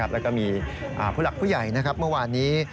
แล้วก็มีผู้หลักผู้ใหญ่เมื่อวานนี้